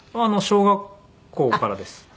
小学校からです。